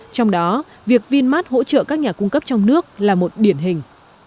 trong đó việc vinmart hỗ trợ các nhà cung cấp trong nước là một điển hình